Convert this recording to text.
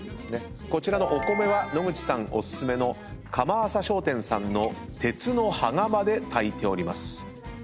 こちらのお米は野口さんお薦めの「釜浅商店」さんの鉄の羽釜で炊いております。